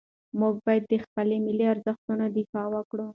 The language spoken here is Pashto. موږ باید د خپلو ملي ارزښتونو دفاع وکړو.